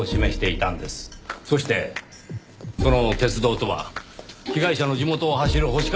そしてその鉄道とは被害者の地元を走る星川